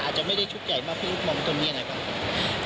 อาจจะไม่ได้ชุดใหญ่มากคุณมองตัวนี้อย่างไรครับ